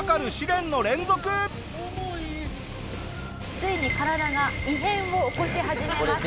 ついに体が異変を起こし始めます。